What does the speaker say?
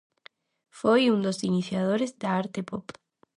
Foi un dos iniciadores da arte pop.